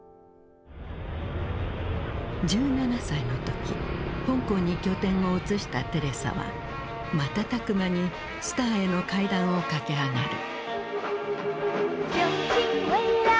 １７歳の時香港に拠点を移したテレサは瞬く間にスターへの階段を駆け上がる。